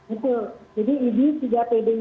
itu jadi idi tiga pd ini